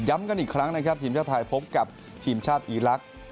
กันอีกครั้งนะครับทีมชาติไทยพบกับทีมชาติอีลักษณ์